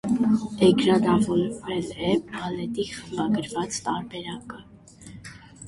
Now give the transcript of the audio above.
Էկրանավորվել է բալետի խմբագրված տարբերակը։